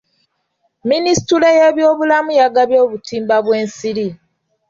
Minisitule y'ebyobulamu yagabye obutimba bw'ensiri.